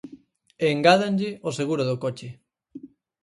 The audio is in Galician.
E engádanlle o seguro do coche.